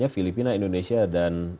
filipina indonesia dan